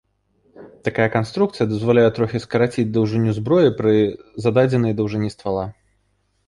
Такая канструкцыя дазваляе трохі скараціць даўжыню зброі пры зададзенай даўжыні ствала.